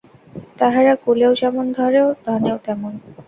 তাঁহারা কুলেও যেমন ধনেও তেমন।